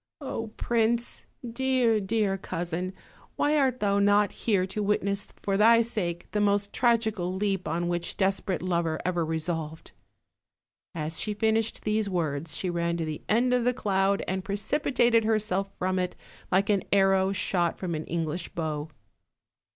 Oh, prince! dear, dear cousin, why art thou not here to witness for thy sake the most tragical leap on which desperate lover ever resolved?" As she finished these words she ran to the end of the cloud and precipi tated herself from it, like an arrow shot from an English bow.